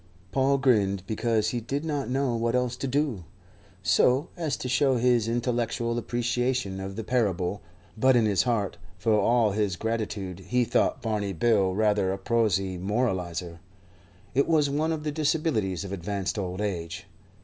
Paul grinned, because he did not know what else to do, so as to show his intellectual appreciation of the parable; but in his heart, for all his gratitude, he thought Barney bill rather a prosy moralizer. It was one of the disabilities of advanced old age.